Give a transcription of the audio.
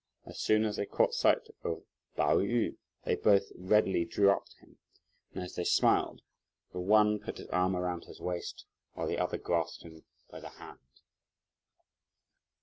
As soon as they caught sight of Pao yü, they both readily drew up to him, and as they smiled, the one put his arm round his waist, while the other grasped him by the hand.